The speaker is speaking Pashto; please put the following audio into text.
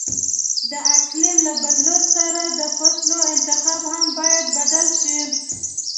د اقلیم له بدلون سره د فصلو انتخاب هم باید بدل شي.